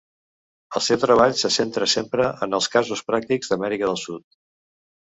El seu treball se centra sempre en els casos pràctics d'Amèrica del Sud.